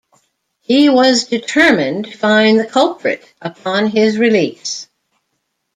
He was determined to find the culprit upon his release.